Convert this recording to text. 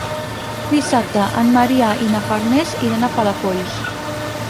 Dissabte en Maria i na Farners iran a Palafolls.